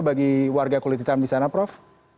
bagi warga kulit hitam di sana prof